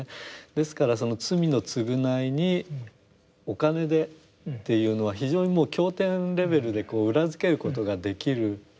ですからその罪の償いにお金でっていうのは非常にもう経典レベルでこう裏付けることができる。